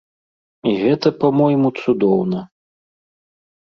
І гэта, па-мойму, цудоўна.